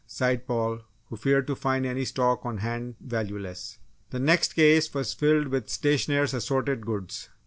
sighed Paul, who feared to find any stock on hand valueless. The next case was filled with stationers' assorted goods.